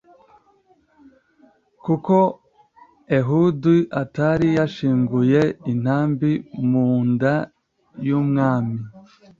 kuko ehudi atari yashinguye intambi mu nda y'umwami